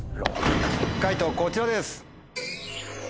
解答こちらです。